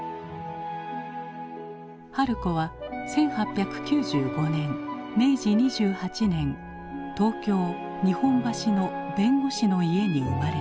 春子は１８９５年明治２８年東京・日本橋の弁護士の家に生まれた。